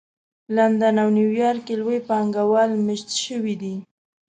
لندن او نیویارک کې لوی پانګه وال مېشت شوي دي